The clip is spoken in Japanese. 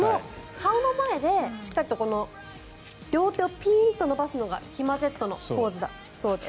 顔の前で、しっかりと両手をピーンと伸ばすのがきまＺのポーズだそうです。